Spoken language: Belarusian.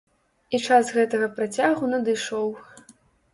І час гэтага працягу надышоў.